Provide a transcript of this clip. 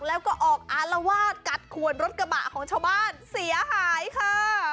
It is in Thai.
แล้วก็ออกอารวาสกัดขวนรถกระบะของชาวบ้านเสียหายค่ะ